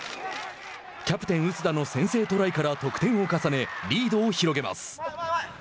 キャプテン薄田の先制トライから得点を重ねリードを広げます。